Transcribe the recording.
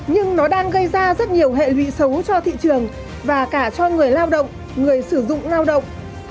nhưng nó đang gây ra rất nhiều hệ lụy xấu cho thị trường và cả cho người lao động người sử dụng lao động